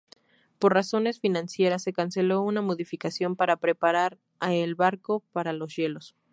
Por razones financieras se canceló una modificación para preparar el barco para los hielos.